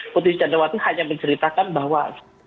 putri candrawati hanya menceritakan bahwa